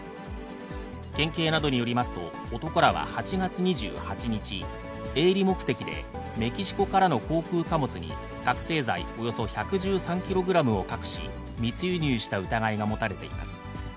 県警などによりますと、男らは８月２８日、営利目的でメキシコからの航空貨物に覚醒剤およそ１１３キログラムを隠し、密輸入した疑いが持たれています。